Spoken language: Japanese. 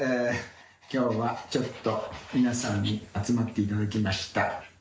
きょうはちょっと皆さんに集まっていただきました。